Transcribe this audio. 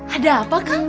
ada apa kak